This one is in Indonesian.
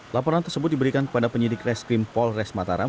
laporan tersebut diberikan kepada penyidik reskrim polres mataram